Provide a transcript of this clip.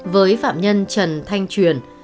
với phạm nhân trần thanh truyền